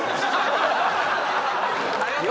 ありがとね。